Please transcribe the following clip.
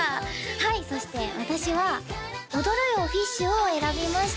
はいそして私は「踊ろよ、フィッシュ」を選びました